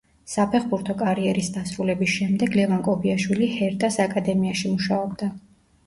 საფეხბურთო კარიერის დასრულების შემდეგ ლევან კობიაშვილი „ჰერტას“ აკადემიაში მუშაობდა.